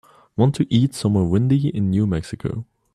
want to eat somewhere windy in New Mexico